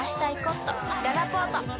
ららぽーと